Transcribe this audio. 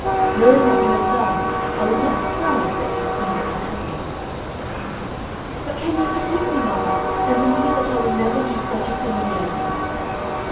Knowing what you had done, I was not surprised that you seemed unhappy." "But can you forgive me mama, and believe that I will never do such a thing again?"